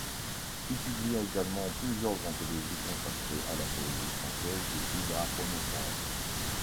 Il publia également plusieurs anthologies consacrées à la poésie française depuis la Renaissance.